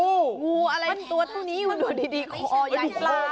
งูอะไรตัวตัวนี้อยู่ดูดีคอใหญ่กล้าม